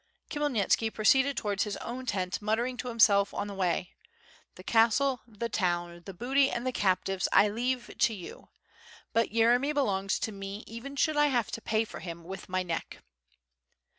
Khmyelnitski proceeded towards his own tent muttering to himself on the way: "The castle, the town, the booty, ana the captives I leave to you; but Yeremy "belongs to me, even should I have to pay for him with my neck."